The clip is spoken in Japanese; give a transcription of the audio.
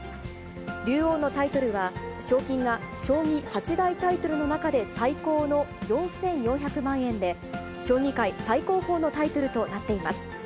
竜王のタイトルは、賞金が将棋八大タイトルの中で最高の４４００万円で、将棋界最高峰のタイトルとなっています。